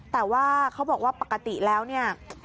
แต่ว่าเขาบอกว่าปกติแล้วเนี่ย